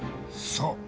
そう。